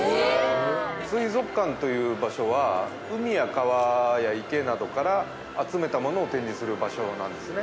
水族館という場所は、海や川や池などから集めたものを展示する場所なんですね。